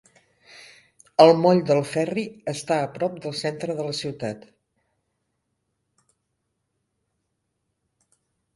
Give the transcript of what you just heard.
El moll del ferri està a prop del centre de la ciutat.